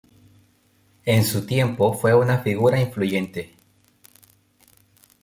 En su tiempo fue una figura influyente.